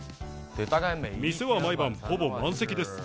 店は毎晩ほぼ満席です。